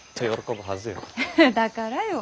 だからよ。